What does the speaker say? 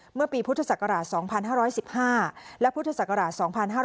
เมื่อปีพุทธศักราช๒๕๑๕และพุทธศักราช๒๕๕๙